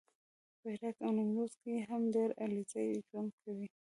په هرات او نیمروز کې هم ډېر علیزي ژوند کوي